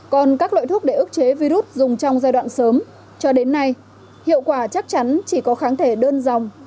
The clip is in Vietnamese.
còn các loại thuốc để ức chế virus dùng trong giai đoạn sớm cho đến nay hiệu quả chắc chắn chỉ có kháng thể đơn dòng